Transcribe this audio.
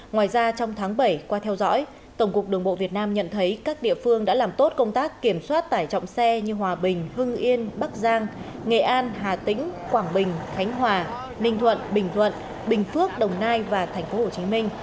ngoài ra trong tháng bảy qua theo dõi tổng cục đường bộ việt nam nhận thấy các địa phương đã làm tốt công tác kiểm soát tải trọng xe như hòa bình hưng yên bắc giang nghệ an hà tĩnh quảng bình khánh hòa ninh thuận bình thuận bình phước đồng nai và tp hcm